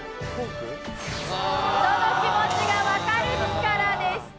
人の気持ちがわかる力でした。